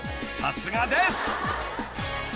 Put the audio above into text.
［さすがです］